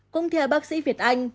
cùng theo bác sĩ việt anh